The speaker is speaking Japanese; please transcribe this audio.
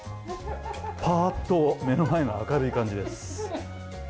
ぱーっと目の前が明るい感じです。